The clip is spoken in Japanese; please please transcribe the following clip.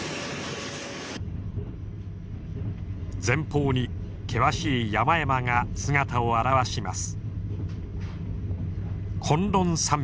前方に険しい山々が姿を現します。